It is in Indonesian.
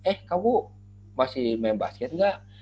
eh kamu masih main basket nggak